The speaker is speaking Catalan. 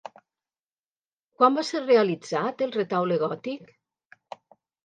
Quan va ser realitzat el retaule gòtic?